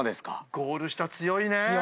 ゴール下強いね。